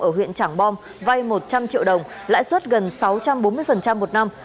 ở huyện trảng bom vay một trăm linh triệu đồng lãi suất gần sáu trăm bốn mươi một năm